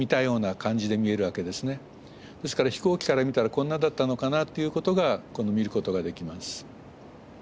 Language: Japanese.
ですから飛行機から見たらこんなだったのかなっていうことが見ることができます。